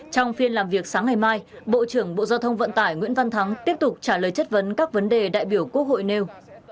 trong phiên làm việc sáng ngày mai bộ trưởng bộ giao thông vận tải nguyễn văn thắng tiếp tục trả lời chất vấn các vấn đề đại biểu quốc hội nêu